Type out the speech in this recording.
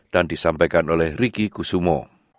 dan disampaikan oleh riki kusumo